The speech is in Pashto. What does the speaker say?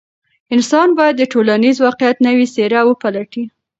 انسان باید د ټولنیز واقعیت نوې څېره وپلټي.